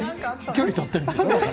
距離を取っているんでしょう？